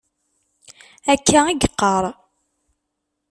Akka i yeqqar.